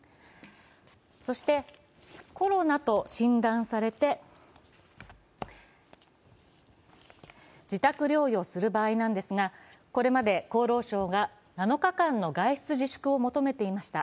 そして、コロナと診断されて自宅療養する場合ですが、これまで厚労省が７日間の外出自粛を求めていました。